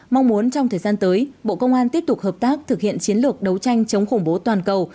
mong muốn trong thời gian tới bộ công an tiếp tục hợp tác thực hiện chiến lược đấu tranh chống khủng bố toàn cầu